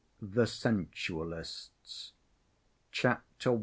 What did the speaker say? The Sensualists Chapter I.